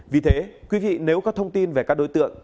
vì thế quý vị nếu có thông tin về các đối tượng